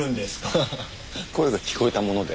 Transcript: ハハ声が聞こえたもので。